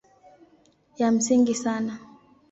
Ya msingi sana